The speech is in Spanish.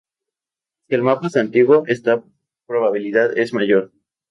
Si el mapa es antiguo, esta probabilidad es mayor.